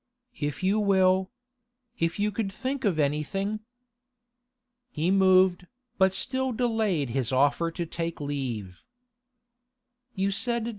'If you will. If you could think of anything.' He moved, but still delayed his offer to take leave.